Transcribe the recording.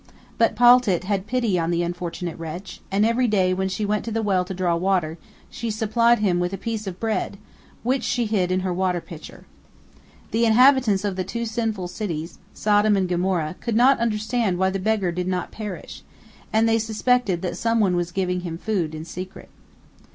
But Paltit had pity upon the unfortunate wretch, and every day when she went to the well to draw water, she supplied him with a piece of bread, which she hid in her water pitcher. The inhabitants of the two sinful cities, Sodom and Gomorrah, could not understand why the beggar did not perish, and they suspected that some one was giving him food in secret.